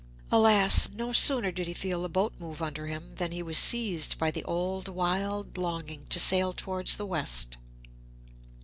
Alas! No sooner did he feel the boat moving under him, than he was seized by the old wild longing to sail towards the west.